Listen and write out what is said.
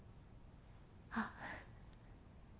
あっ。